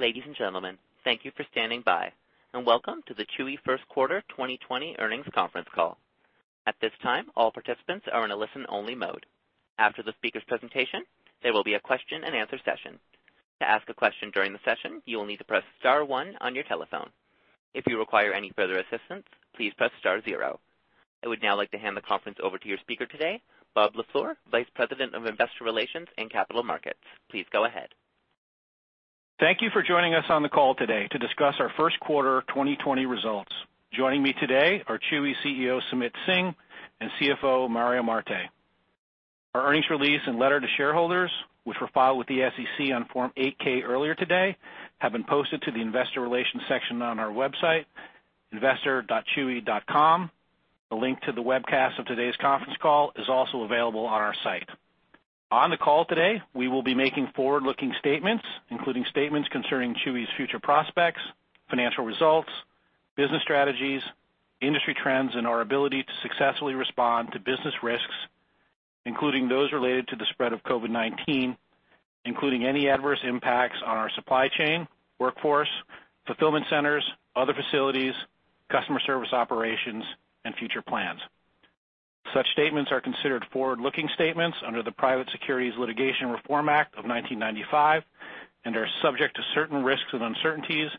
Ladies and gentlemen, thank you for standing by, and welcome to the Chewy First Quarter 2020 Earnings Conference Call. At this time, all participants are in a listen-only mode. After the speaker's presentation, there will be a question and answer session. To ask a question during the session, you will need to press star one on your telephone. If you require any further assistance, please press star zero. I would now like to hand the conference over to your speaker today, Bob LaFleur, Vice President of Investor Relations and Capital Markets. Please go ahead. Thank you for joining us on the call today to discuss our first quarter 2020 results. Joining me today are Chewy CEO, Sumit Singh, and CFO, Mario Marte. Our earnings release and letter to shareholders, which were filed with the SEC on Form 8-K earlier today, have been posted to the investor relations section on our website, investor.chewy.com. A link to the webcast of today's conference call is also available on our site. On the call today, we will be making forward-looking statements, including statements concerning Chewy's future prospects, financial results, business strategies, industry trends, and our ability to successfully respond to business risks, including those related to the spread of COVID-19, including any adverse impacts on our supply chain, workforce, fulfillment centers, other facilities, customer service operations, and future plans. Such statements are considered forward-looking statements under the Private Securities Litigation Reform Act of 1995 and are subject to certain risks and uncertainties,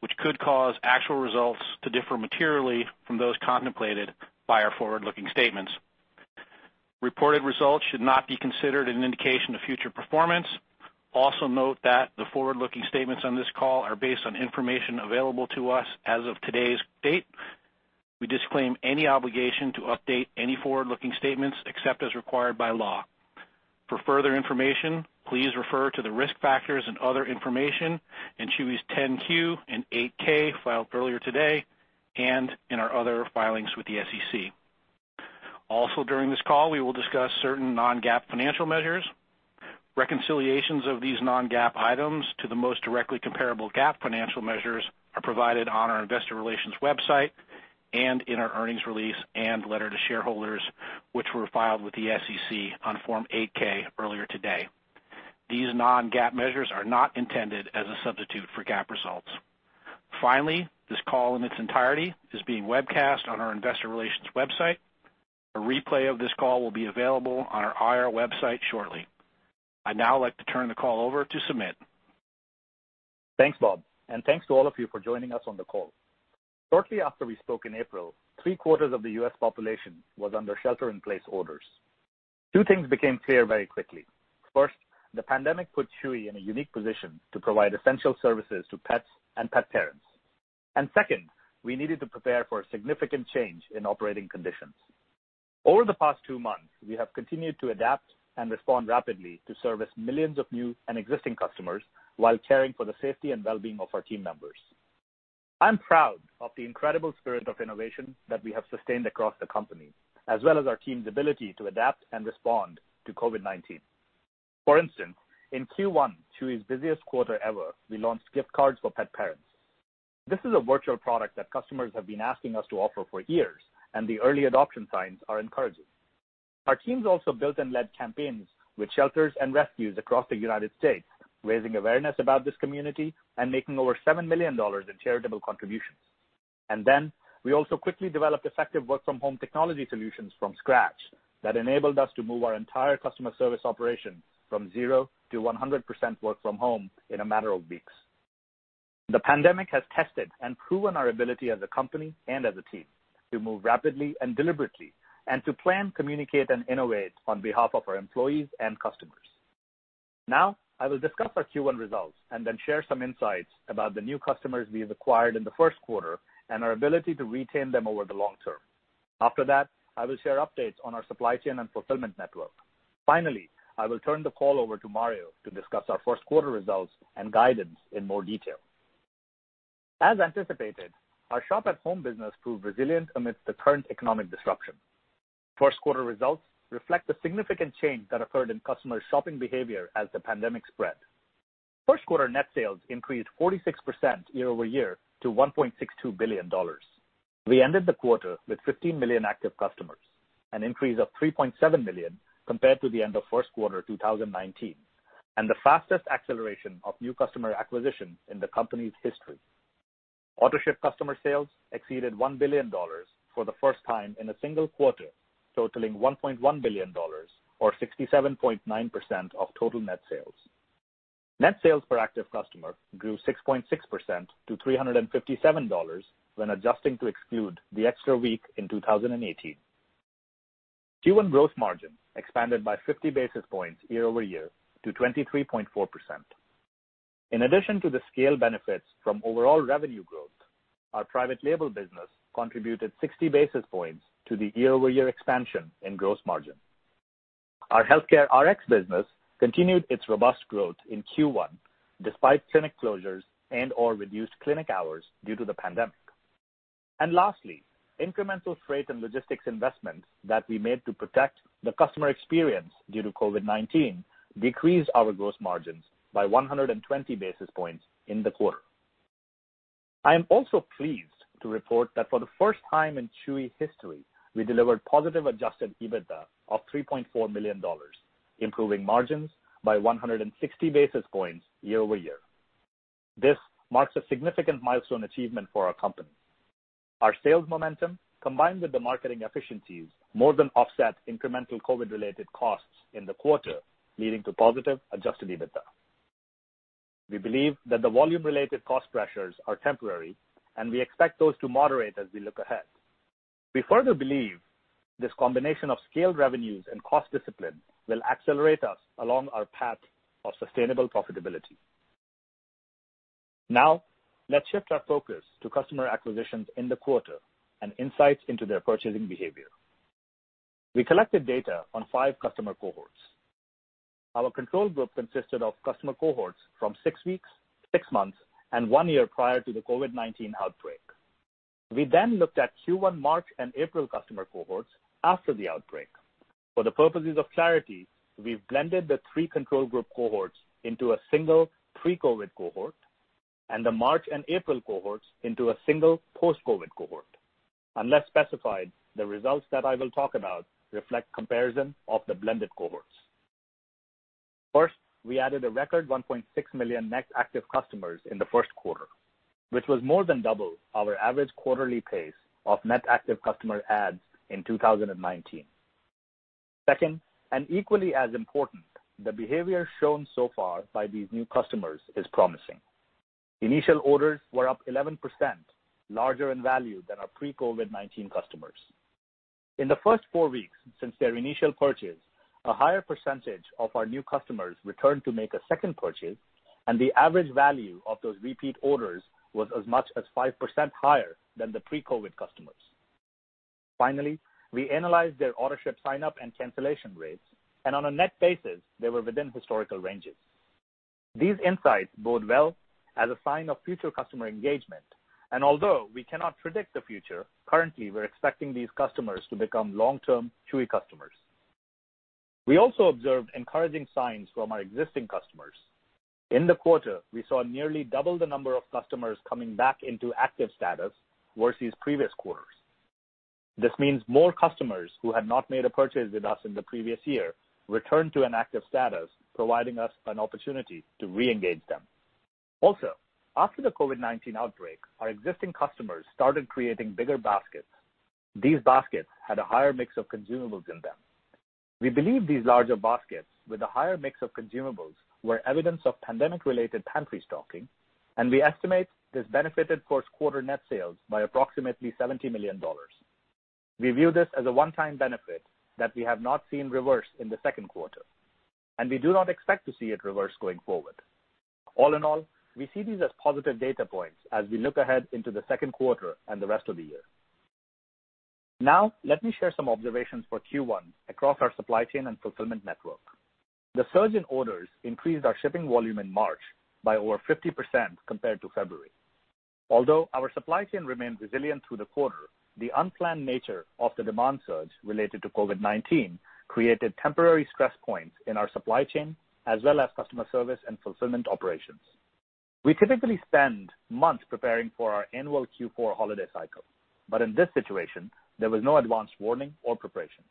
which could cause actual results to differ materially from those contemplated by our forward-looking statements. Reported results should not be considered an indication of future performance. Also note that the forward-looking statements on this call are based on information available to us as of today's date. We disclaim any obligation to update any forward-looking statements except as required by law. For further information, please refer to the risk factors and other information in Chewy's 10-Q and 8-K filed earlier today and in our other filings with the SEC. Also during this call, we will discuss certain non-GAAP financial measures. Reconciliations of these non-GAAP items to the most directly comparable GAAP financial measures are provided on our investor relations website and in our earnings release and letter to shareholders, which were filed with the SEC on Form 8-K earlier today. These non-GAAP measures are not intended as a substitute for GAAP results. Finally, this call in its entirety is being webcast on our investor relations website. A replay of this call will be available on our IR website shortly. I'd now like to turn the call over to Sumit. Thanks, Bob, and thanks to all of you for joining us on the call. Shortly after we spoke in April, three-quarters of the U.S. population was under shelter in place orders. Two things became clear very quickly. First, the pandemic put Chewy in a unique position to provide essential services to pets and pet parents. Second, we needed to prepare for a significant change in operating conditions. Over the past two months, we have continued to adapt and respond rapidly to service millions of new and existing customers while caring for the safety and well-being of our team members. I'm proud of the incredible spirit of innovation that we have sustained across the company, as well as our team's ability to adapt and respond to COVID-19. For instance, in Q1, Chewy's busiest quarter ever, we launched gift cards for pet parents. This is a virtual product that customers have been asking us to offer for years, and the early adoption signs are encouraging. Our teams also built and led campaigns with shelters and rescues across the U.S., raising awareness about this community and making over $7 million in charitable contributions. Then we also quickly developed effective work-from-home technology solutions from scratch that enabled us to move our entire customer service operation from zero to 100% work from home in a matter of weeks. The pandemic has tested and proven our ability as a company and as a team to move rapidly and deliberately and to plan, communicate, and innovate on behalf of our employees and customers. Now, I will discuss our Q1 results and then share some insights about the new customers we have acquired in the first quarter and our ability to retain them over the long term. After that, I will share updates on our supply chain and fulfillment network. Finally, I will turn the call over to Mario to discuss our first quarter results and guidance in more detail. As anticipated, our shop-at-home business proved resilient amidst the current economic disruption. First quarter results reflect the significant change that occurred in customer shopping behavior as the pandemic spread. First quarter net sales increased 46% year-over-year to $1.62 billion. We ended the quarter with 15 million active customers, an increase of 3.7 million compared to the end of first quarter 2019, and the fastest acceleration of new customer acquisition in the company's history. Autoship customer sales exceeded $1 billion for the first time in a single quarter, totaling $1.1 billion, or 67.9% of total net sales. Net sales per active customer grew 6.6% to $357 when adjusting to exclude the extra week in 2018. Q1 gross margin expanded by 50 basis points year-over-year to 23.4%. In addition to the scale benefits from overall revenue growth, our private label business contributed 60 basis points to the year-over-year expansion in gross margin. Our healthcare RX business continued its robust growth in Q1 despite clinic closures or reduced clinic hours due to the pandemic. Lastly, incremental freight and logistics investments that we made to protect the customer experience due to COVID-19 decreased our gross margins by 120 basis points in the quarter. I am also pleased to report that for the first time in Chewy history, we delivered positive adjusted EBITDA of $3.4 million, improving margins by 160 basis points year-over-year. This marks a significant milestone achievement for our company. Our sales momentum, combined with the marketing efficiencies, more than offset incremental COVID-related costs in the quarter, leading to positive adjusted EBITDA. We believe that the volume-related cost pressures are temporary, and we expect those to moderate as we look ahead. We further believe this combination of scaled revenues and cost discipline will accelerate us along our path of sustainable profitability. Now, let's shift our focus to customer acquisitions in the quarter and insights into their purchasing behavior. We collected data on five customer cohorts. Our control group consisted of customer cohorts from six weeks, six months, and one year prior to the COVID-19 outbreak. We then looked at Q1 March and April customer cohorts after the outbreak. For the purposes of clarity, we've blended the three control group cohorts into a single pre-COVID cohort and the March and April cohorts into a single post-COVID cohort. Unless specified, the results that I will talk about reflect comparison of the blended cohorts. First, we added a record 1.6 million net active customers in the first quarter, which was more than double our average quarterly pace of net active customer adds in 2019. Second, and equally as important, the behavior shown so far by these new customers is promising. Initial orders were up 11% larger in value than our pre-COVID-19 customers. In the first four weeks since their initial purchase, a higher percentage of our new customers returned to make a second purchase, and the average value of those repeat orders was as much as 5% higher than the pre-COVID customers. Finally, we analyzed their Autoship sign-up and cancellation rates, and on a net basis, they were within historical ranges. These insights bode well as a sign of future customer engagement. Although we cannot predict the future, currently, we're expecting these customers to become long-term Chewy customers. We also observed encouraging signs from our existing customers. In the quarter, we saw nearly double the number of customers coming back into active status versus previous quarters. This means more customers who had not made a purchase with us in the previous year returned to an active status, providing us an opportunity to reengage them. After the COVID-19 outbreak, our existing customers started creating bigger baskets. These baskets had a higher mix of consumables in them. We believe these larger baskets with a higher mix of consumables were evidence of pandemic-related pantry stocking, and we estimate this benefited first quarter net sales by approximately $70 million. We view this as a one-time benefit that we have not seen reverse in the second quarter, and we do not expect to see it reverse going forward. All in all, we see these as positive data points as we look ahead into the second quarter and the rest of the year. Now, let me share some observations for Q1 across our supply chain and fulfillment network. The surge in orders increased our shipping volume in March by over 50% compared to February. Although our supply chain remained resilient through the quarter, the unplanned nature of the demand surge related to COVID-19 created temporary stress points in our supply chain as well as customer service and fulfillment operations. We typically spend months preparing for our annual Q4 holiday cycle, in this situation, there was no advance warning or preparation.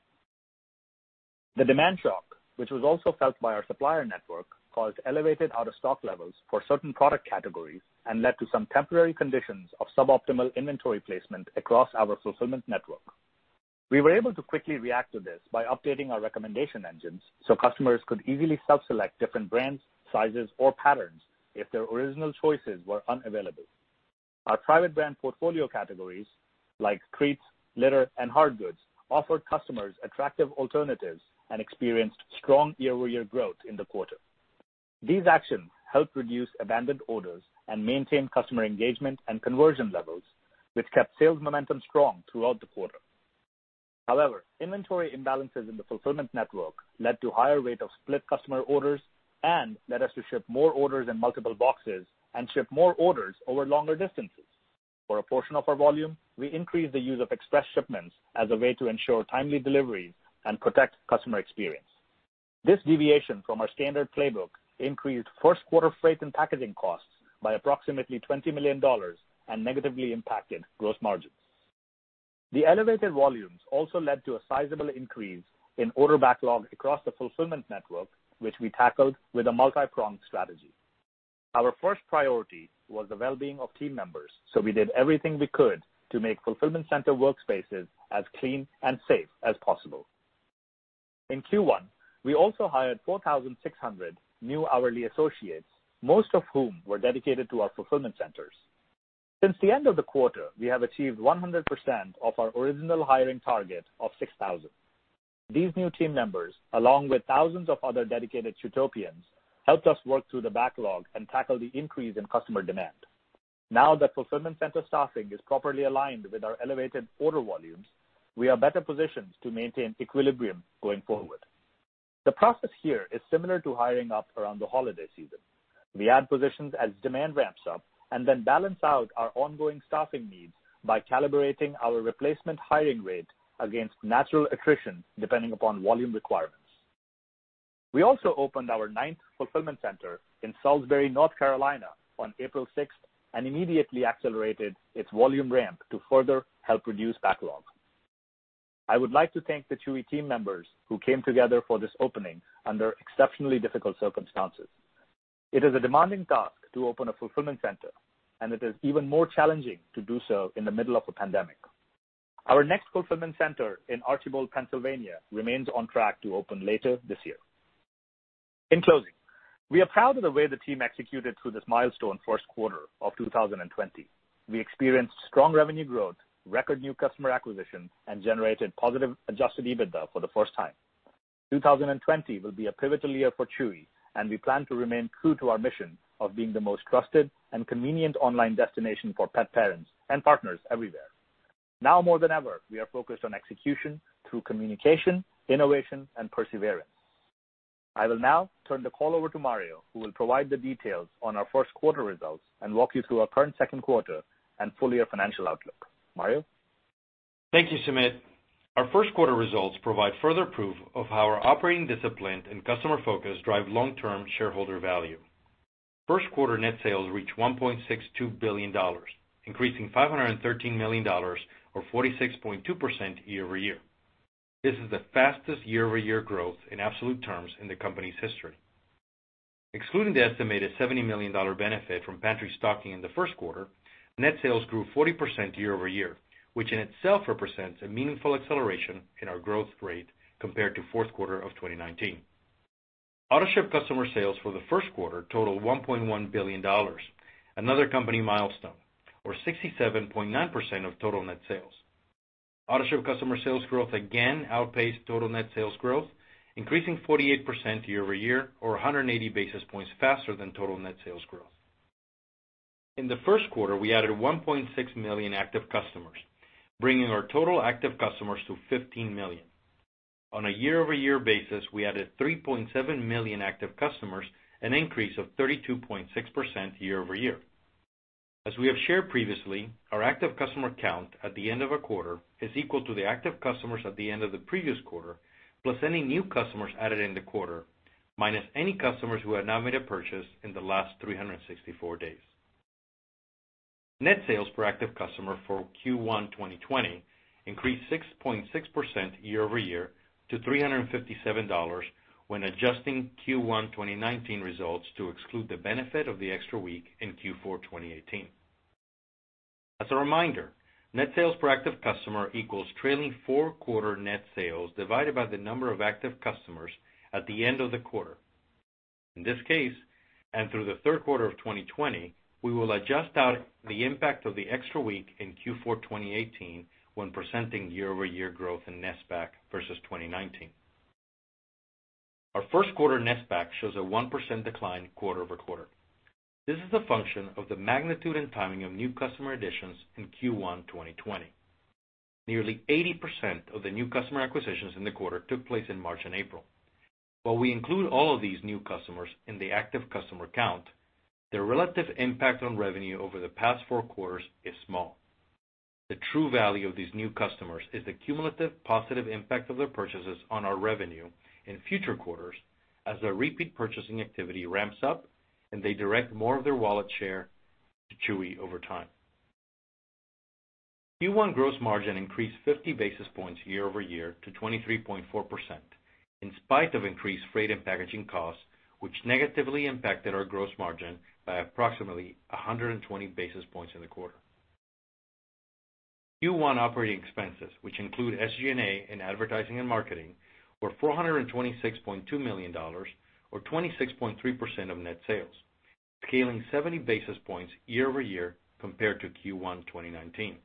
The demand shock, which was also felt by our supplier network, caused elevated out-of-stock levels for certain product categories and led to some temporary conditions of suboptimal inventory placement across our fulfillment network. We were able to quickly react to this by updating our recommendation engines so customers could easily self-select different brands, sizes, or patterns if their original choices were unavailable. Our private brand portfolio categories like treats, litter, and hard goods offered customers attractive alternatives and experienced strong year-over-year growth in the quarter. These actions helped reduce abandoned orders and maintain customer engagement and conversion levels, which kept sales momentum strong throughout the quarter. Inventory imbalances in the fulfillment network led to higher rate of split customer orders and led us to ship more orders in multiple boxes and ship more orders over longer distances. For a portion of our volume, we increased the use of express shipments as a way to ensure timely deliveries and protect customer experience. This deviation from our standard playbook increased first quarter freight and packaging costs by approximately $20 million and negatively impacted gross margins. The elevated volumes also led to a sizable increase in order backlog across the fulfillment network, which we tackled with a multi-pronged strategy. Our first priority was the well-being of team members, so we did everything we could to make fulfillment center workspaces as clean and safe as possible. In Q1, we also hired 4,600 new hourly associates, most of whom were dedicated to our fulfillment centers. Since the end of the quarter, we have achieved 100% of our original hiring target of 6,000. These new team members, along with thousands of other dedicated Chewtopians, helped us work through the backlog and tackle the increase in customer demand. That fulfillment center staffing is properly aligned with our elevated order volumes, we are better positioned to maintain equilibrium going forward. The process here is similar to hiring up around the holiday season. We add positions as demand ramps up and then balance out our ongoing staffing needs by calibrating our replacement hiring rate against natural attrition depending upon volume requirements. We also opened our ninth fulfillment center in Salisbury, North Carolina on April 6th, immediately accelerated its volume ramp to further help reduce backlog. I would like to thank the Chewy team members who came together for this opening under exceptionally difficult circumstances. It is a demanding task to open a fulfillment center, it is even more challenging to do so in the middle of a pandemic. Our next fulfillment center in Archbald, Pennsylvania remains on track to open later this year. In closing, we are proud of the way the team executed through this milestone first quarter of 2020. We experienced strong revenue growth, record new customer acquisition, generated positive adjusted EBITDA for the first time. 2020 will be a pivotal year for Chewy, we plan to remain true to our mission of being the most trusted and convenient online destination for pet parents and partners everywhere. More than ever, we are focused on execution through communication, innovation, and perseverance. I will now turn the call over to Mario, who will provide the details on our first quarter results and walk you through our current second quarter and full-year financial outlook. Mario? Thank you, Sumit. Our first quarter results provide further proof of how our operating discipline and customer focus drive long-term shareholder value. First quarter net sales reached $1.62 billion, increasing $513 million or 46.2% year-over-year. This is the fastest year-over-year growth in absolute terms in the company's history. Excluding the estimated $70 million benefit from pantry stocking in the first quarter, net sales grew 40% year-over-year, which in itself represents a meaningful acceleration in our growth rate compared to fourth quarter of 2019. Autoship customer sales for the first quarter totaled $1.1 billion, another company milestone, or 67.9% of total net sales. Autoship customer sales growth again outpaced total net sales growth, increasing 48% year-over-year or 180 basis points faster than total net sales growth. In the first quarter, we added 1.6 million active customers, bringing our total active customers to 15 million. On a year-over-year basis, we added 3.7 million active customers, an increase of 32.6% year-over-year. As we have shared previously, our active customer count at the end of a quarter is equal to the active customers at the end of the previous quarter, plus any new customers added in the quarter, minus any customers who have not made a purchase in the last 364 days. Net sales per active customer for Q1 2020 increased 6.6% year-over-year to $357 when adjusting Q1 2019 results to exclude the benefit of the extra week in Q4 2018. As a reminder, net sales per active customer equals trailing four quarter net sales divided by the number of active customers at the end of the quarter. In this case, through the third quarter of 2020, we will adjust out the impact of the extra week in Q4 2018 when presenting year-over-year growth in NSPAC versus 2019. Our first quarter NSPAC shows a 1% decline quarter-over-quarter. This is a function of the magnitude and timing of new customer additions in Q1 2020. Nearly 80% of the new customer acquisitions in the quarter took place in March and April. While we include all of these new customers in the active customer count, their relative impact on revenue over the past four quarters is small. The true value of these new customers is the cumulative positive impact of their purchases on our revenue in future quarters as their repeat purchasing activity ramps up and they direct more of their wallet share to Chewy over time. Q1 gross margin increased 50 basis points year-over-year to 23.4%, in spite of increased freight and packaging costs, which negatively impacted our gross margin by approximately 120 basis points in the quarter. Q1 operating expenses, which include SG&A and advertising and marketing, were $426.2 million, or 26.3% of net sales, scaling 70 basis points year-over-year compared to Q1 2019.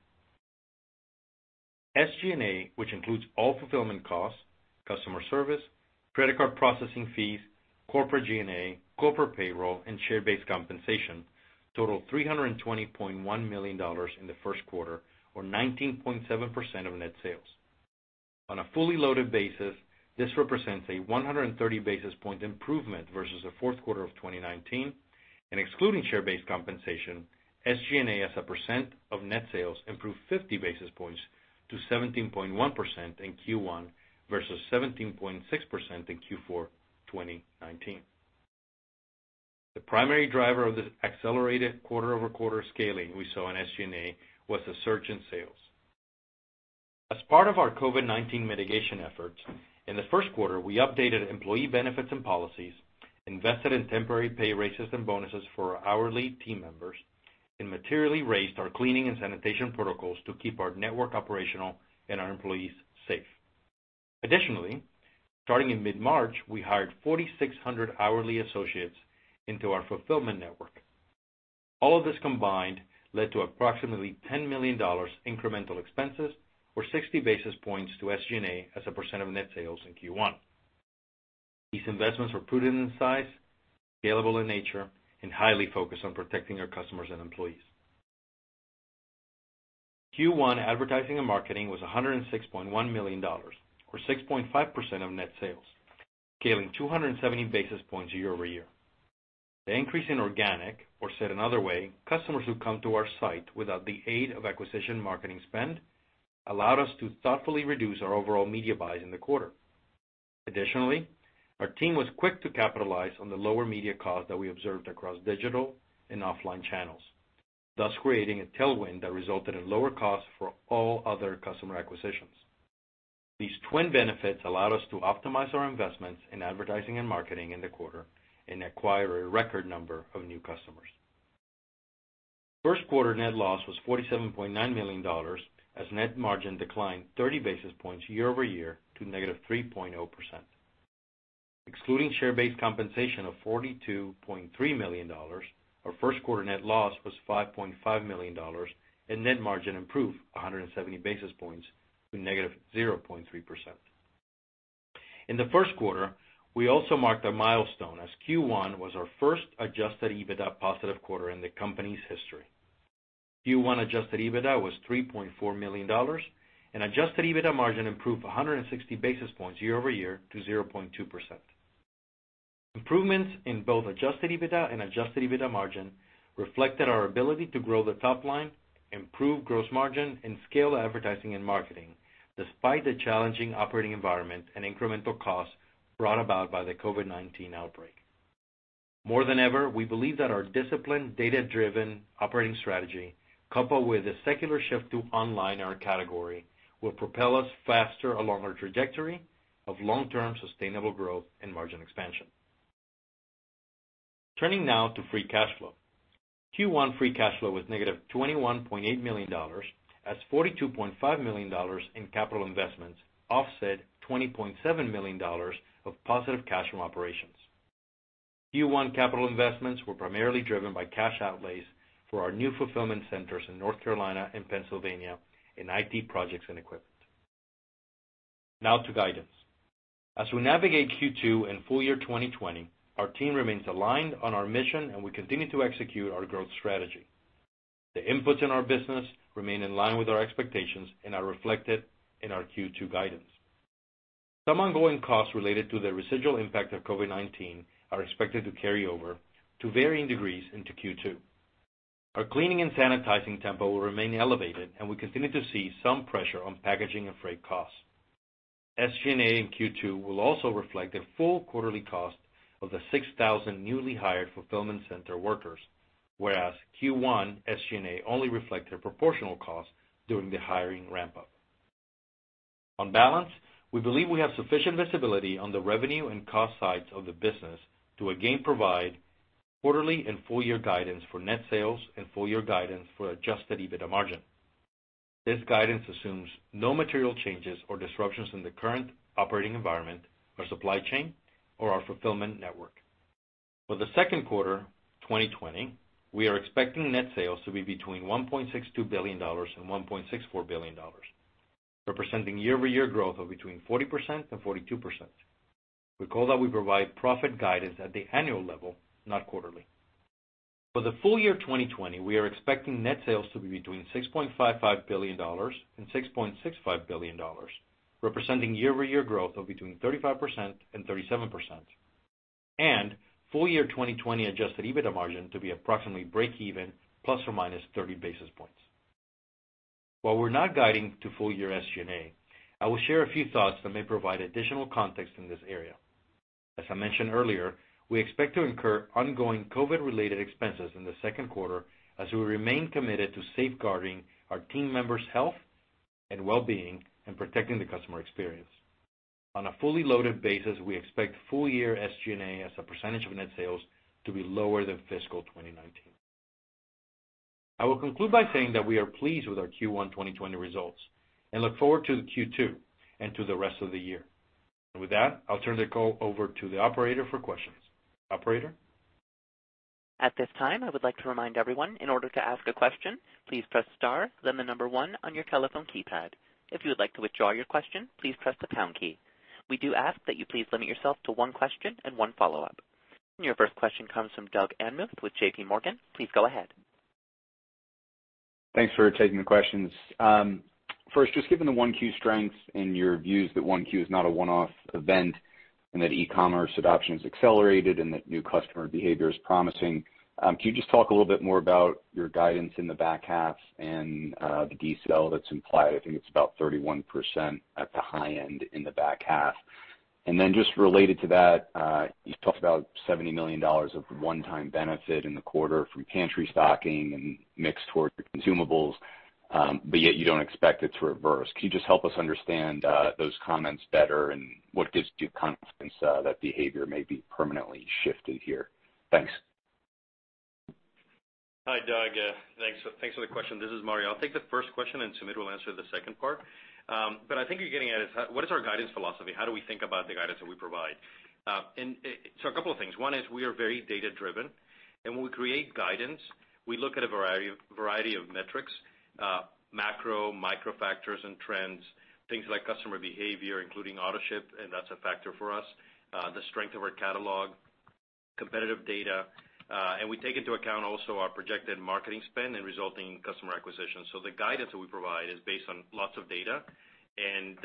SG&A, which includes all fulfillment costs, customer service, credit card processing fees, corporate G&A, corporate payroll, and share-based compensation, totaled $320.1 million in the first quarter, or 19.7% of net sales. On a fully loaded basis, this represents a 130 basis point improvement versus the fourth quarter of 2019, and excluding share-based compensation, SG&A as a percent of net sales improved 50 basis points to 17.1% in Q1 versus 17.6% in Q4 2019. The primary driver of the accelerated quarter-over-quarter scaling we saw in SG&A was the surge in sales. As part of our COVID-19 mitigation efforts, in the first quarter, we updated employee benefits and policies, invested in temporary pay raises and bonuses for our hourly team members, and materially raised our cleaning and sanitation protocols to keep our network operational and our employees safe. Additionally, starting in mid-March, we hired 4,600 hourly associates into our fulfillment network. All of this combined led to approximately $10 million incremental expenses, or 60 basis points to SG&A as a percent of net sales in Q1. These investments were prudent in size, scalable in nature, and highly focused on protecting our customers and employees. Q1 advertising and marketing was $106.1 million, or 6.5% of net sales, scaling 270 basis points year-over-year. The increase in organic, or said another way, customers who come to our site without the aid of acquisition marketing spend, allowed us to thoughtfully reduce our overall media buys in the quarter. Additionally, our team was quick to capitalize on the lower media costs that we observed across digital and offline channels, thus creating a tailwind that resulted in lower costs for all other customer acquisitions. These twin benefits allowed us to optimize our investments in advertising and marketing in the quarter and acquire a record number of new customers. First quarter net loss was $47.9 million, as net margin declined 30 basis points year-over-year to negative 3.0%. Excluding share-based compensation of $42.3 million, our first quarter net loss was $5.5 million and net margin improved 170 basis points to negative 0.3%. In the first quarter, we also marked a milestone as Q1 was our first adjusted EBITDA positive quarter in the company's history. Q1 adjusted EBITDA was $3.4 million and adjusted EBITDA margin improved 160 basis points year-over-year to 0.2%. Improvements in both adjusted EBITDA and adjusted EBITDA margin reflected our ability to grow the top line, improve gross margin, and scale advertising and marketing despite the challenging operating environment and incremental costs brought about by the COVID-19 outbreak. More than ever, we believe that our disciplined data-driven operating strategy, coupled with a secular shift to online in our category, will propel us faster along our trajectory of long-term sustainable growth and margin expansion. Turning now to free cash flow. Q1 free cash flow was negative $21.8 million, as $42.5 million in capital investments offset $20.7 million of positive cash from operations. Q1 capital investments were primarily driven by cash outlays for our new fulfillment centers in North Carolina and Pennsylvania, and IT projects and equipment. Now to guidance. As we navigate Q2 and full year 2020, our team remains aligned on our mission and we continue to execute our growth strategy. The inputs in our business remain in line with our expectations and are reflected in our Q2 guidance. Some ongoing costs related to the residual impact of COVID-19 are expected to carry over to varying degrees into Q2. Our cleaning and sanitizing tempo will remain elevated, and we continue to see some pressure on packaging and freight costs. SG&A in Q2 will also reflect the full quarterly cost of the 6,000 newly hired fulfillment center workers, whereas Q1 SG&A only reflect their proportional cost during the hiring ramp-up. On balance, we believe we have sufficient visibility on the revenue and cost sides of the business to again provide quarterly and full year guidance for net sales and full year guidance for adjusted EBITDA margin. This guidance assumes no material changes or disruptions in the current operating environment, our supply chain, or our fulfillment network. For the second quarter 2020, we are expecting net sales to be between $1.62 billion and $1.64 billion, representing year-over-year growth of between 40% and 42%. Recall that we provide profit guidance at the annual level, not quarterly. For the full year 2020, we are expecting net sales to be between $6.55 billion and $6.65 billion, representing year-over-year growth of between 35% and 37%. Full year 2020 adjusted EBITDA margin to be approximately breakeven ±30 basis points. While we're not guiding to full year SG&A, I will share a few thoughts that may provide additional context in this area. As I mentioned earlier, we expect to incur ongoing COVID-related expenses in the second quarter as we remain committed to safeguarding our team members' health and well-being and protecting the customer experience. On a fully loaded basis, we expect full year SG&A as a percentage of net sales to be lower than fiscal 2019. I will conclude by saying that we are pleased with our Q1 2020 results and look forward to Q2 and to the rest of the year. With that, I'll turn the call over to the operator for questions. Operator? At this time, I would like to remind everyone, in order to ask a question, please press star then the number 1 on your telephone keypad. If you would like to withdraw your question, please press the pound key. We do ask that you please limit yourself to 1 question and 1 follow-up. Your first question comes from Doug Anmuth with J.P. Morgan. Please go ahead. Thanks for taking the questions. Just given the 1Q strength and your views that 1Q is not a one-off event and that e-commerce adoption has accelerated and that new customer behavior is promising, can you just talk a little bit more about your guidance in the back half and the decel that's implied? I think it's about 31% at the high end in the back half. Just related to that, you talked about $70 million of one-time benefit in the quarter from pantry stocking and mix toward consumables, but yet you don't expect it to reverse. Can you just help us understand those comments better and what gives you confidence that behavior may be permanently shifted here? Thanks. Hi, Doug. Thanks for the question. This is Mario. I'll take the first question, and Sumit will answer the second part. I think you're getting at is what is our guidance philosophy? How do we think about the guidance that we provide? A couple of things. One is we are very data-driven, and when we create guidance, we look at a variety of metrics. Macro, micro factors and trends, things like customer behavior, including Autoship, and that's a factor for us. The strength of our catalog, competitive data, and we take into account also our projected marketing spend and resulting customer acquisition. The guidance that we provide is based on lots of data, and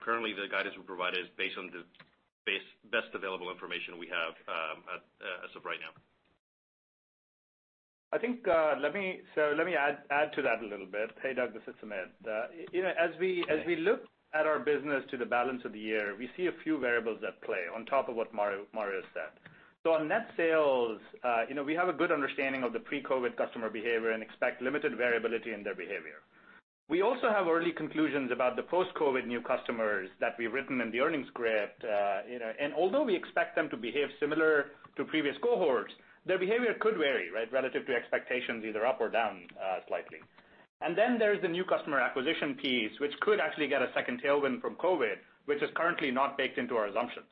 currently the guidance we provide is based on the best available information we have as of right now. I think, let me add to that a little bit. Hey, Doug, this is Sumit. As we look at our business to the balance of the year, we see a few variables at play on top of what Mario said. On net sales, we have a good understanding of the pre-COVID customer behavior and expect limited variability in their behavior. We also have early conclusions about the post-COVID new customers that we've written in the earnings script. Although we expect them to behave similar to previous cohorts, their behavior could vary, relative to expectations, either up or down slightly. There's the new customer acquisition piece, which could actually get a second tailwind from COVID, which is currently not baked into our assumptions.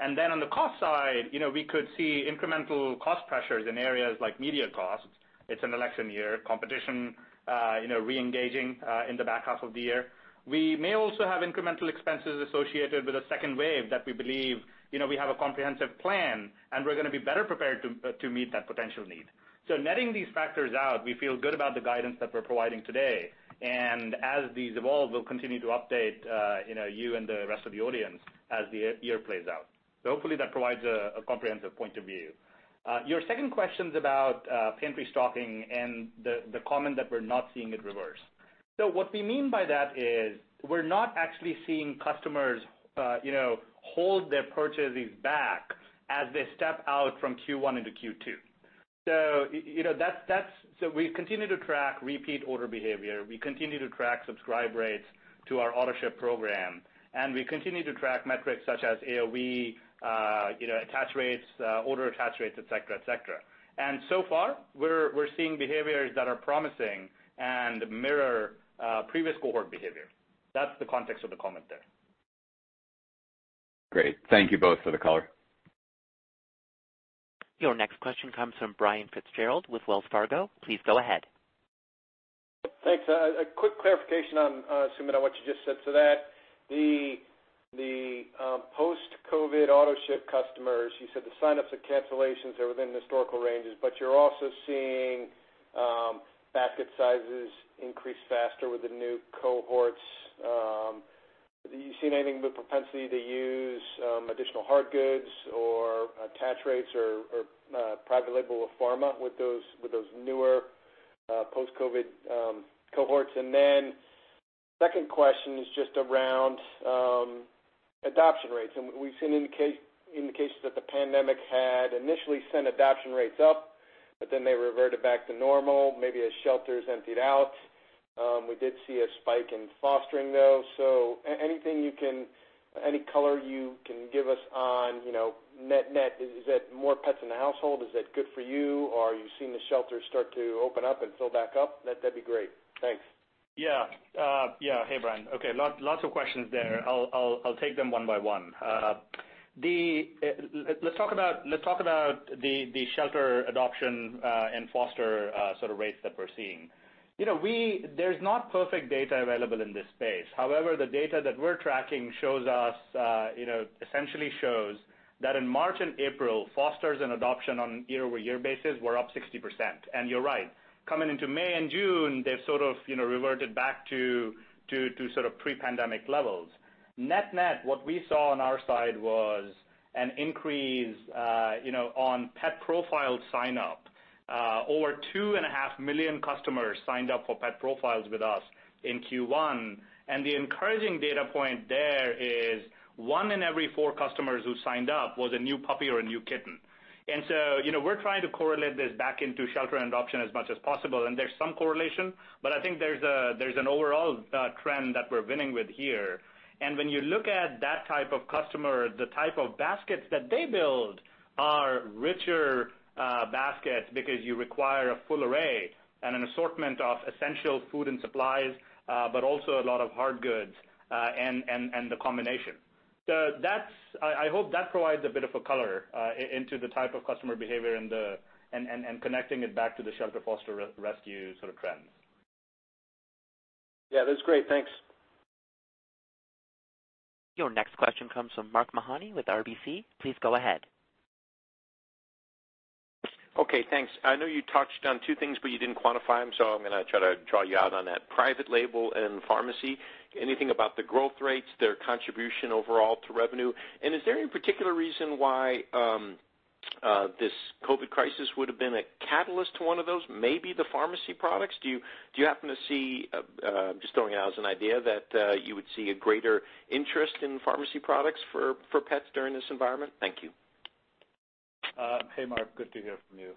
On the cost side, we could see incremental cost pressures in areas like media costs. It's an election year, competition, re-engaging, in the back half of the year. We may also have incremental expenses associated with a second wave that we believe we have a comprehensive plan, and we're going to be better prepared to meet that potential need. Netting these factors out, we feel good about the guidance that we're providing today. As these evolve, we'll continue to update you and the rest of the audience as the year plays out. Hopefully that provides a comprehensive point of view. Your second question's about pantry stocking and the comment that we're not seeing it reverse. What we mean by that is we're not actually seeing customers hold their purchases back as they step out from Q1 into Q2. We continue to track repeat order behavior. We continue to track subscribe rates to our Autoship program, and we continue to track metrics such as AOV, attach rates, order attach rates, et cetera. So far, we're seeing behaviors that are promising and mirror previous cohort behavior. That's the context of the comment there. Great. Thank you both for the color. Your next question comes from Brian Fitzgerald with Wells Fargo. Please go ahead. Thanks. A quick clarification on, Sumit, on what you just said to that. The post-COVID Autoship customers, you said the sign-ups and cancellations are within historical ranges, but you're also seeing basket sizes increase faster with the new cohorts. Have you seen anything with propensity to use additional hard goods or attach rates or private label pharma with those newer post-COVID cohorts? Second question is just around adoption rates. We've seen indications that the pandemic had initially sent adoption rates up, but then they reverted back to normal, maybe as shelters emptied out. We did see a spike in fostering, though. Any color you can give us on, net, is that more pets in the household? Is that good for you? Are you seeing the shelters start to open up and fill back up? That'd be great. Thanks. Yeah. Hey, Brian. Okay, lots of questions there. I'll take them one by one. Let's talk about the shelter adoption and foster sort of rates that we're seeing. There's not perfect data available in this space. However, the data that we're tracking essentially shows that in March and April, fosters and adoption on year-over-year basis were up 60%. You're right, coming into May and June, they've sort of reverted back to pre-pandemic levels. Net, what we saw on our side was an increase on pet profile sign up. Over 2.5 million customers signed up for pet profiles with us in Q1. The encouraging data point there is one in every four customers who signed up was a new puppy or a new kitten. We're trying to correlate this back into shelter adoption as much as possible, and there's some correlation, but I think there's an overall trend that we're winning with here. When you look at that type of customer, the type of baskets that they build are richer baskets because you require a full array and an assortment of essential food and supplies, but also a lot of hard goods and the combination. I hope that provides a bit of a color into the type of customer behavior and connecting it back to the shelter foster rescue sort of trends. Yeah, that's great. Thanks. Your next question comes from Mark Mahaney with RBC. Please go ahead. Okay, thanks. I know you touched on two things, you didn't quantify them, I'm gonna try to draw you out on that. Private label and pharmacy, anything about the growth rates, their contribution overall to revenue, is there any particular reason why this COVID crisis would have been a catalyst to one of those, maybe the pharmacy products? Do you happen to see, just throwing it out as an idea, that you would see a greater interest in pharmacy products for pets during this environment? Thank you. Hey, Mark. Good to hear from you.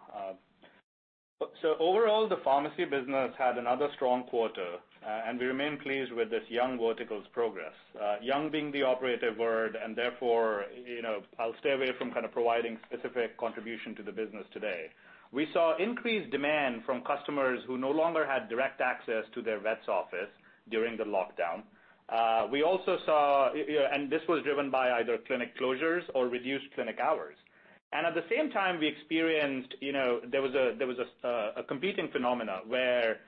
Overall, the pharmacy business had another strong quarter. We remain pleased with this young vertical's progress. Young being the operative word, therefore, I'll stay away from kind of providing specific contribution to the business today. We saw increased demand from customers who no longer had direct access to their vet's office during the lockdown. This was driven by either clinic closures or reduced clinic hours. At the same time, there was a competing phenomena where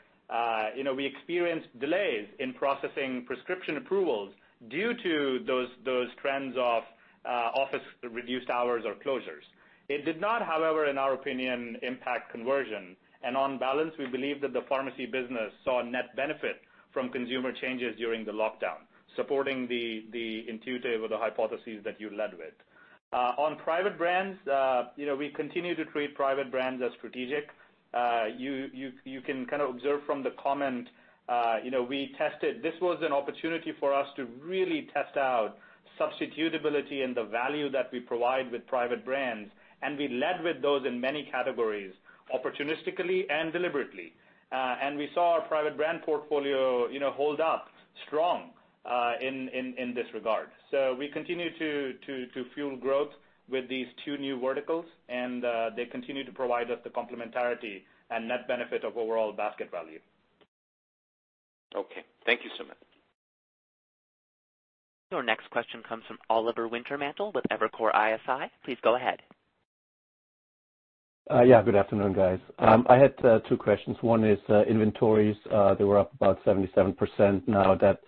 we experienced delays in processing prescription approvals due to those trends of office reduced hours or closures. It did not, however, in our opinion, impact conversion. On balance, we believe that the pharmacy business saw a net benefit from consumer changes during the lockdown, supporting the intuitive or the hypotheses that you led with. On private brands, we continue to treat private brands as strategic. You can kind of observe from the comment, this was an opportunity for us to really test out substitutability and the value that we provide with private brands, we led with those in many categories, opportunistically and deliberately. We saw our private brand portfolio hold up strong in this regard. We continue to fuel growth with these two new verticals, they continue to provide us the complementarity and net benefit of overall basket value. Okay. Thank you, Sumit. Your next question comes from Oliver Wintermantel with Evercore ISI. Please go ahead. Yeah, good afternoon, guys. I had two questions. One is inventories. They were up about 77%. That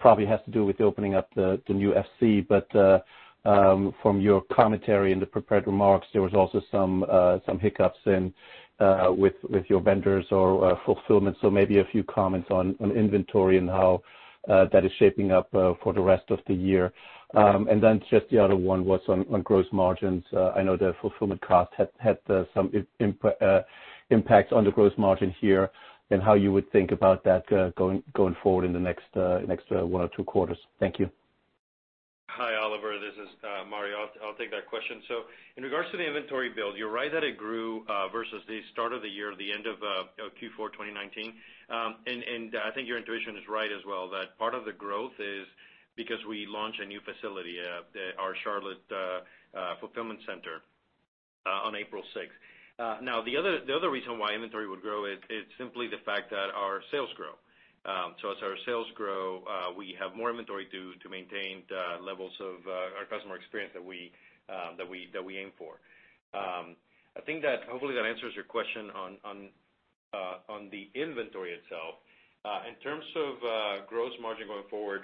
probably has to do with the opening up the new FC, from your commentary in the prepared remarks, there was also some hiccups in with your vendors or fulfillment. Maybe a few comments on inventory and how that is shaping up for the rest of the year. The other one was on gross margins. I know the fulfillment cost had some impact on the gross margin here and how you would think about that going forward in the next one or two quarters. Thank you. Hi, Oliver. This is Mario. I'll take that question. In regards to the inventory build, you're right that it grew versus the start of the year or the end of Q4 2019. I think your intuition is right as well, that part of the growth is because we launched a new facility, our Charlotte fulfillment center, on April 6th. The other reason why inventory would grow is simply the fact that our sales grow. As our sales grow, we have more inventory to maintain the levels of our customer experience that we aim for. I think that hopefully that answers your question on the inventory itself. In terms of gross margin going forward,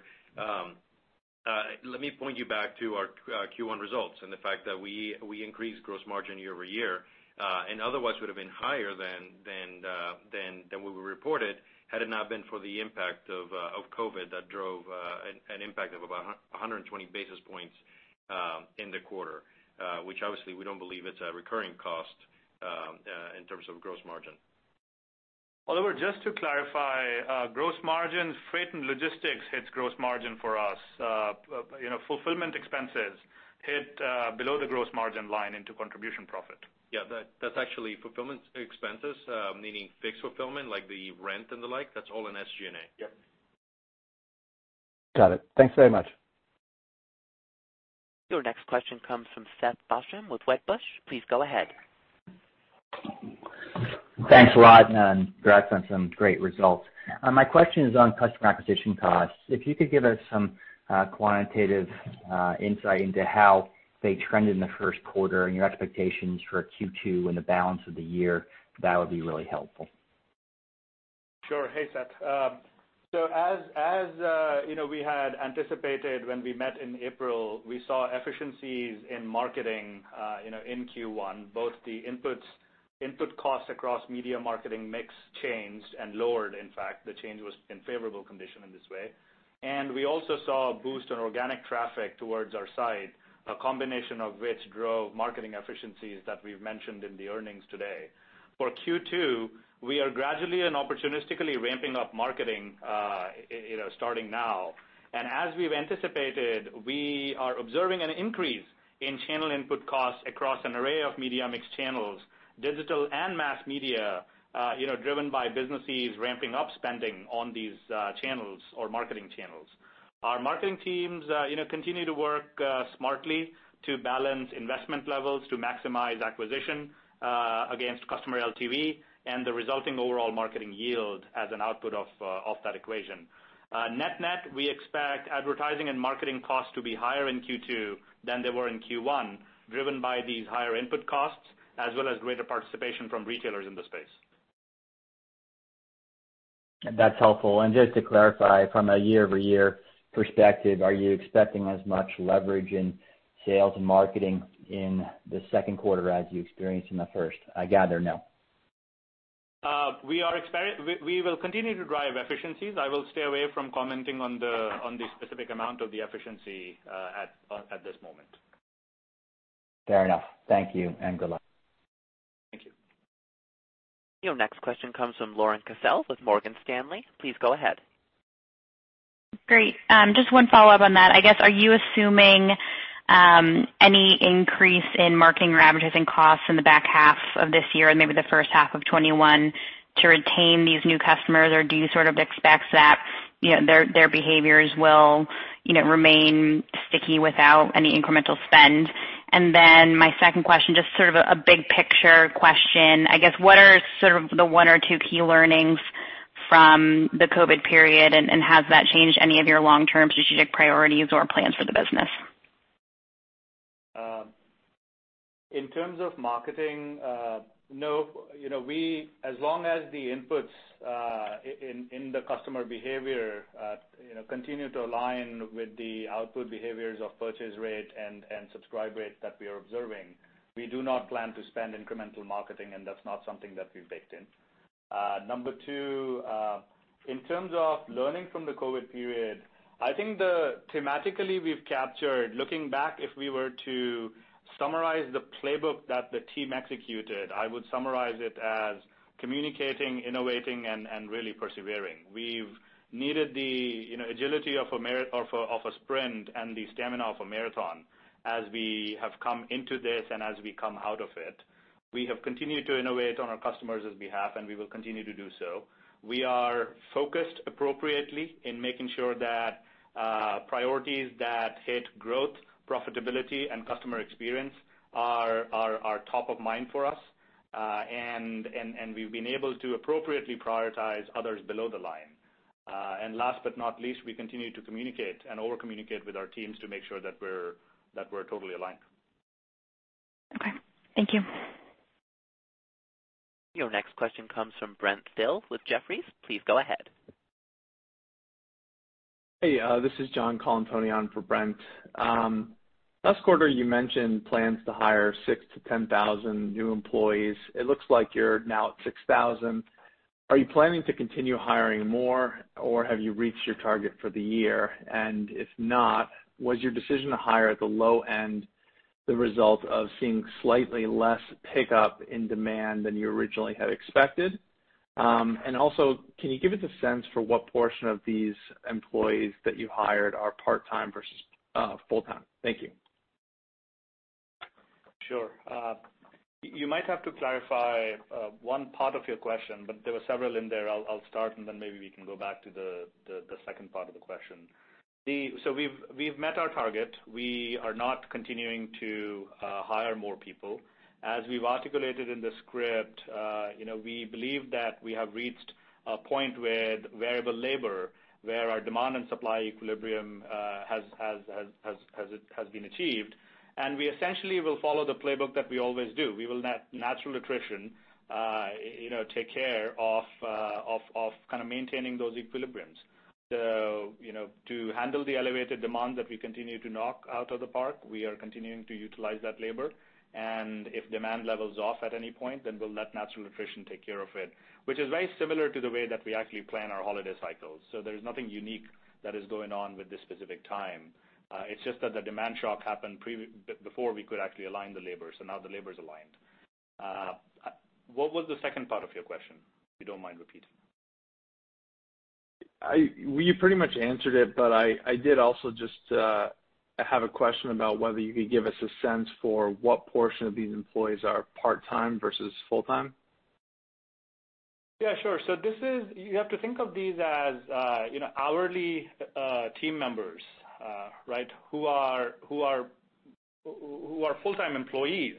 let me point you back to our Q1 results and the fact that we increased gross margin year-over-year, otherwise would have been higher than what we reported had it not been for the impact of COVID that drove an impact of about 120 basis points in the quarter, which obviously we don't believe it's a recurring cost in terms of gross margin. Oliver, just to clarify, gross margin, freight and logistics hits gross margin for us. Fulfillment expenses hit below the gross margin line into contribution profit. Yeah, that's actually fulfillment expenses, meaning fixed fulfillment like the rent and the like. That's all in SG&A. Yep. Got it. Thanks very much. Your next question comes from Seth Basham with Wedbush. Please go ahead. Thanks a lot. Congrats on some great results. My question is on customer acquisition costs. If you could give us some quantitative insight into how they trended in the first quarter and your expectations for Q2 and the balance of the year, that would be really helpful. Sure. Hey, Seth. As we had anticipated when we met in April, we saw efficiencies in marketing in Q1, both the input cost across media marketing mix changed and lowered, in fact. The change was in favorable condition in this way. We also saw a boost in organic traffic towards our site, a combination of which drove marketing efficiencies that we've mentioned in the earnings today. For Q2, we are gradually and opportunistically ramping up marketing starting now. As we've anticipated, we are observing an increase in channel input costs across an array of media mix channels, digital and mass media, driven by businesses ramping up spending on these channels or marketing channels. Our marketing teams continue to work smartly to balance investment levels to maximize acquisition against customer LTV and the resulting overall marketing yield as an output of that equation. Net-net, we expect advertising and marketing costs to be higher in Q2 than they were in Q1, driven by these higher input costs as well as greater participation from retailers in the space. That's helpful. Just to clarify, from a year-over-year perspective, are you expecting as much leverage in sales and marketing in the second quarter as you experienced in the first? I gather no. We will continue to drive efficiencies. I will stay away from commenting on the specific amount of the efficiency at this moment. Fair enough. Thank you, and good luck. Thank you. Your next question comes from Lauren Cassel with Morgan Stanley. Please go ahead. Great. Just one follow-up on that. I guess, are you assuming any increase in marketing or advertising costs in the back half of this year and maybe the first half of 2021 to retain these new customers, or do you sort of expect that their behaviors will remain sticky without any incremental spend? My second question, just sort of a big picture question. I guess, what are sort of the one or two key learnings from the COVID period, and has that changed any of your long-term strategic priorities or plans for the business? In terms of marketing, no. As long as the inputs in the customer behavior continue to align with the output behaviors of purchase rate and subscribe rate that we are observing, we do not plan to spend incremental marketing, and that's not something that we've baked in. Number two, in terms of learning from the COVID period, I think thematically we've captured, looking back, if we were to summarize the playbook that the team executed, I would summarize it as communicating, innovating, and really persevering. We've needed the agility of a sprint and the stamina of a marathon as we have come into this and as we come out of it. We have continued to innovate on our customers' behalf, and we will continue to do so. We are focused appropriately in making sure that priorities that hit growth, profitability, and customer experience are top of mind for us. We've been able to appropriately prioritize others below the line. Last but not least, we continue to communicate and over-communicate with our teams to make sure that we're totally aligned. Okay. Thank you. Your next question comes from Brent Thill with Jefferies. Please go ahead. Hey, this is John Colantuoni for Brent. Last quarter, you mentioned plans to hire 6,000 to 10,000 new employees. It looks like you're now at 6,000. Are you planning to continue hiring more, or have you reached your target for the year? If not, was your decision to hire at the low end the result of seeing slightly less pickup in demand than you originally had expected? Also, can you give us a sense for what portion of these employees that you hired are part-time versus full-time? Thank you. Sure. You might have to clarify one part of your question, but there were several in there. I'll start, then maybe we can go back to the second part of the question. We've met our target. We are not continuing to hire more people. As we've articulated in the script, we believe that we have reached a point with variable labor where our demand and supply equilibrium has been achieved, we essentially will follow the playbook that we always do. We will let natural attrition take care of maintaining those equilibriums. To handle the elevated demand that we continue to knock out of the park, we are continuing to utilize that labor. If demand levels off at any point, then we'll let natural attrition take care of it, which is very similar to the way that we actually plan our holiday cycles. There's nothing unique that is going on with this specific time. It's just that the demand shock happened before we could actually align the labor, now the labor's aligned. What was the second part of your question, if you don't mind repeating? You pretty much answered it, but I did also just have a question about whether you could give us a sense for what portion of these employees are part-time versus full-time. Yeah, sure. You have to think of these as hourly team members who are full-time employees,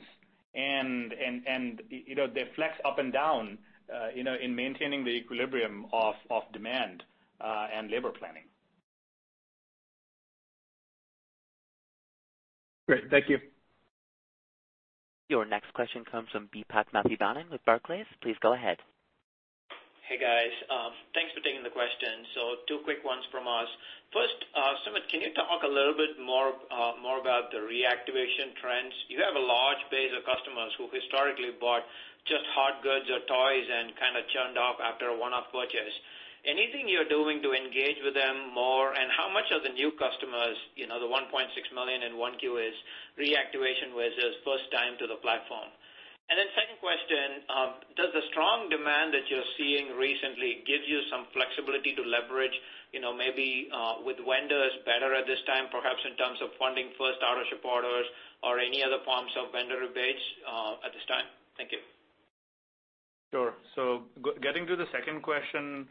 and they flex up and down in maintaining the equilibrium of demand and labor planning. Great. Thank you. Your next question comes from Deepak Mathivanan with Barclays. Please go ahead. Hey, guys. Thanks for taking the question. Two quick ones from us. First, Sumit, can you talk a little bit more about the reactivation trends? You have a large base of customers who historically bought just hard goods or toys and kind of churned off after a one-off purchase. Anything you're doing to engage with them more? How much of the new customers, the 1.6 million in 1Q is reactivation versus first time to the platform? Second question, does the strong demand that you're seeing recently give you some flexibility to leverage, maybe with vendors better at this time, perhaps in terms of funding first orders or any other forms of vendor rebates at this time? Thank you. Sure. Getting to the second question,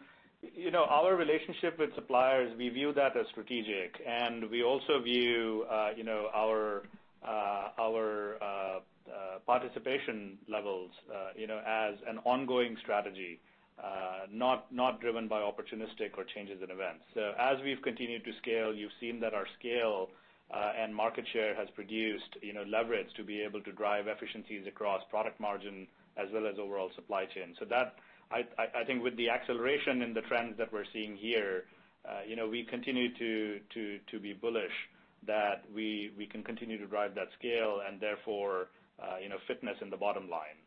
our relationship with suppliers, we view that as strategic, and we also view our participation levels as an ongoing strategy, not driven by opportunistic or changes in events. As we've continued to scale, you've seen that our scale and market share has produced leverage to be able to drive efficiencies across product margin as well as overall supply chain. I think with the acceleration in the trends that we're seeing here, we continue to be bullish that we can continue to drive that scale and therefore fitness in the bottom line.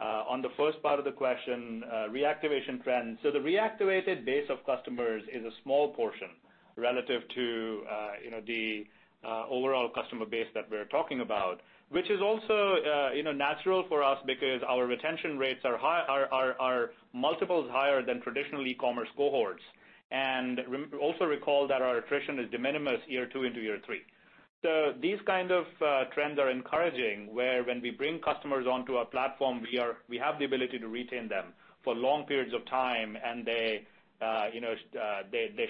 On the first part of the question, reactivation trends. The reactivated base of customers is a small portion relative to the overall customer base that we're talking about, which is also natural for us because our retention rates are multiples higher than traditional e-commerce cohorts. Also recall that our attrition is de minimis year two into year three. These kind of trends are encouraging, where when we bring customers onto our platform, we have the ability to retain them for long periods of time, and they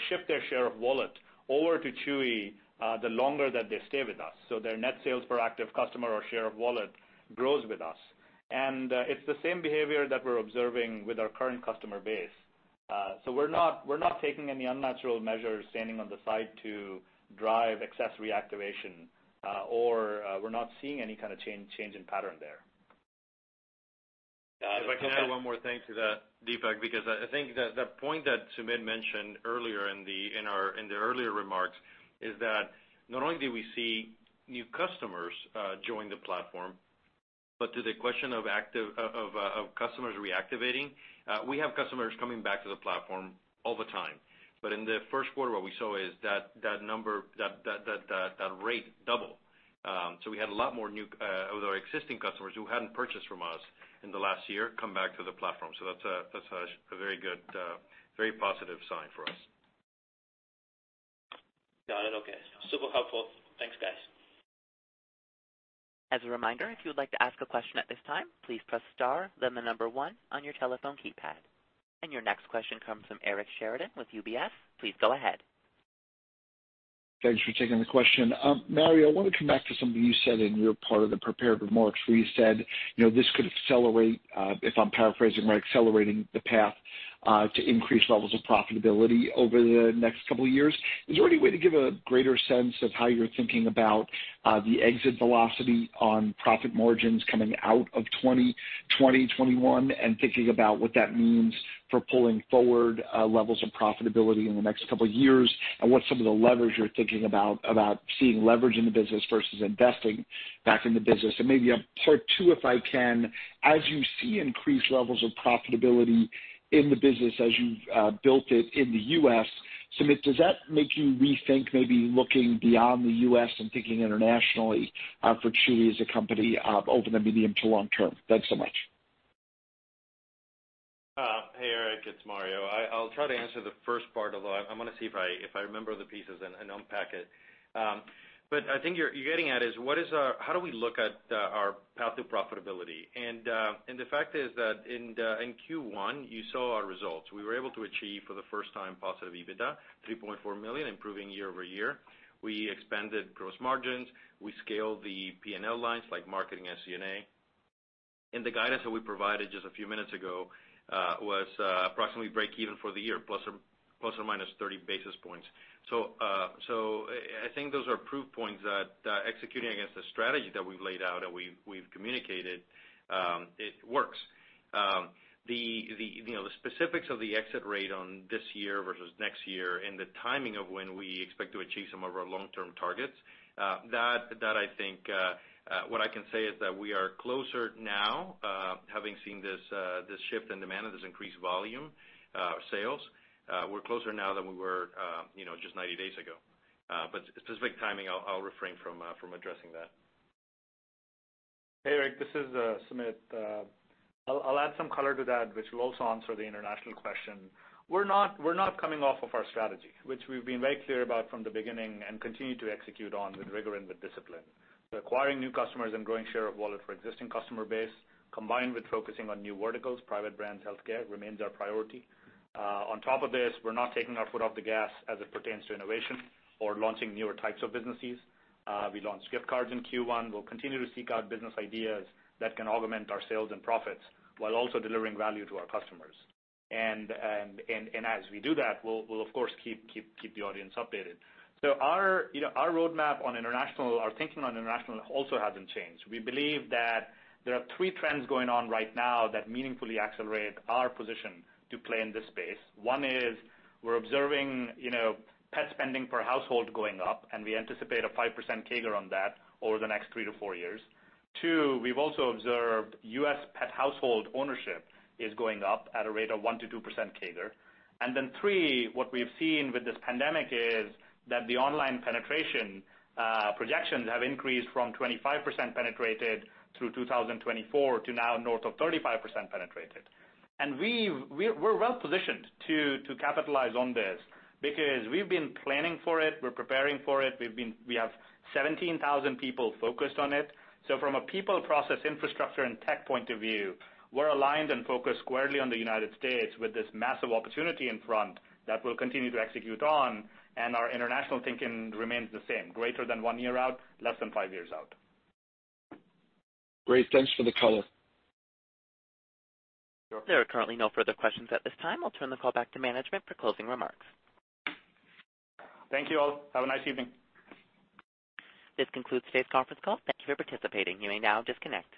shift their share of wallet over to Chewy the longer that they stay with us. Their Net Sales Per Active Customer or share of wallet grows with us. It's the same behavior that we're observing with our current customer base. We're not taking any unnatural measures standing on the side to drive excess reactivation, or we're not seeing any kind of change in pattern there. If I can add one more thing to that, Deepak, because I think that the point that Sumit mentioned earlier in the earlier remarks is that not only do we see new customers join the platform. To the question of customers reactivating, we have customers coming back to the platform all the time. In the first quarter, what we saw is that rate doubled. We had a lot more of our existing customers who hadn't purchased from us in the last year, come back to the platform. That's a very good, very positive sign for us. Got it. Okay. Super helpful. Thanks, guys. As a reminder, if you would like to ask a question at this time, please press star then the number one on your telephone keypad. Your next question comes from Eric Sheridan with UBS. Please go ahead. Thanks for taking the question. Mario, I want to come back to something you said in your part of the prepared remarks, where you said, this could accelerate, if I'm paraphrasing right, accelerating the path to increased levels of profitability over the next couple of years. Is there any way to give a greater sense of how you're thinking about the exit velocity on profit margins coming out of 2021, and thinking about what that means for pulling forward levels of profitability in the next couple of years, and what some of the levers you're thinking about seeing leverage in the business versus investing back in the business? Maybe a part two, if I can, as you see increased levels of profitability in the business as you've built it in the U.S., Sumit, does that make you rethink maybe looking beyond the U.S. and thinking internationally for Chewy as a company over the medium to long term? Thanks so much. Hey, Eric, it's Mario. I'll try to answer the first part, although I want to see if I remember the pieces and unpack it. I think you're getting at is, how do we look at our path to profitability? The fact is that in Q1, you saw our results. We were able to achieve for the first time positive EBITDA, $3.4 million, improving year-over-year. We expanded gross margins. We scaled the P&L lines, like marketing SG&A. The guidance that we provided just a few minutes ago was approximately break-even for the year, plus or minus 30 basis points. I think those are proof points that executing against the strategy that we've laid out and we've communicated, it works. The specifics of the exit rate on this year versus next year and the timing of when we expect to achieve some of our long-term targets, what I can say is that we are closer now, having seen this shift in demand and this increased volume sales. We're closer now than we were just 90 days ago. Specific timing, I'll refrain from addressing that. Hey, Eric, this is Sumit. I'll add some color to that, which will also answer the international question. We're not coming off of our strategy, which we've been very clear about from the beginning and continue to execute on with rigor and with discipline. Acquiring new customers and growing share of wallet for existing customer base, combined with focusing on new verticals, private brands, healthcare, remains our priority. On top of this, we're not taking our foot off the gas as it pertains to innovation or launching newer types of businesses. We launched gift cards in Q1. We'll continue to seek out business ideas that can augment our sales and profits while also delivering value to our customers. As we do that, we'll of course keep the audience updated. Our roadmap on international, our thinking on international also hasn't changed. We believe that there are three trends going on right now that meaningfully accelerate our position to play in this space. One is we're observing pet spending per household going up, and we anticipate a 5% CAGR on that over the next three to four years. Two, we've also observed U.S. pet household ownership is going up at a rate of 1%-2% CAGR. Three, what we've seen with this pandemic is that the online penetration projections have increased from 25% penetrated through 2024 to now north of 35% penetrated. We're well-positioned to capitalize on this because we've been planning for it, we're preparing for it. We have 17,000 people focused on it. from a people, process, infrastructure, and tech point of view, we're aligned and focused squarely on the United States with this massive opportunity in front that we'll continue to execute on, and our international thinking remains the same, greater than one year out, less than five years out. Great. Thanks for the color. There are currently no further questions at this time. I'll turn the call back to management for closing remarks. Thank you all. Have a nice evening. This concludes today's conference call. Thank you for participating. You may now disconnect.